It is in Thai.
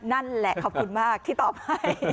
นั่นแหละขอบคุณมากที่ตอบให้